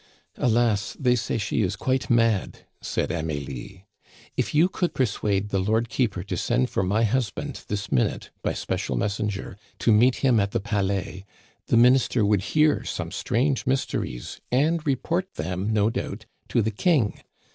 "Alas! they say she is quite mad," said Amelie. "If you could persuade the Lord Keeper to send for my husband this minute, by special messenger, to meet him at the Palais, the Minister would hear some strange mysteries, and report them, no doubt, to the King....